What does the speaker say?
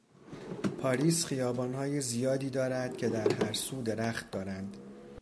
پاریس خیابانهای زیادی دارد که در هر سو درخت دارند.